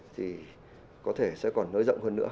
thì có thể sẽ còn nới rộng hơn nữa